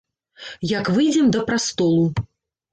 Як выйдзем да прастолу!